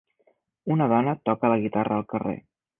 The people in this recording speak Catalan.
una dona toca la guitarra al carrer